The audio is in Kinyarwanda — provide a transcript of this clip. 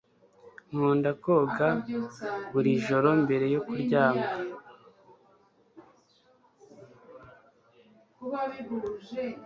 Nkunda koga buri joro mbere yo kuryama